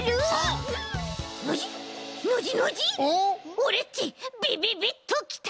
オレっちビビビッときた！